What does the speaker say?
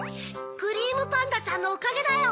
クリームパンダちゃんのおかげだよ！